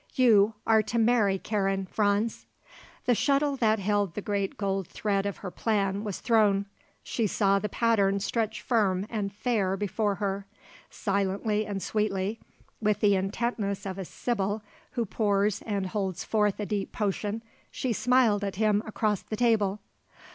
You are to marry Karen, Franz." The shuttle that held the great gold thread of her plan was thrown. She saw the pattern stretch firm and fair before her. Silently and sweetly, with the intentness of a sibyl who pours and holds forth a deep potion, she smiled at him across the table.